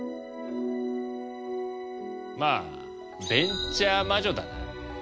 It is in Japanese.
まあベンチャー魔女だな。